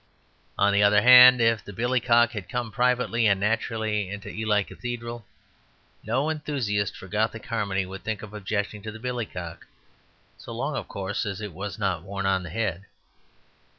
On the other hand, if the billycock had come privately and naturally into Ely Cathedral, no enthusiast for Gothic harmony would think of objecting to the billycock so long, of course, as it was not worn on the head.